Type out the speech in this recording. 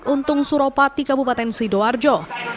untuk suropati kabupaten sidoarjo